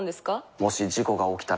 もし事故が起きたら？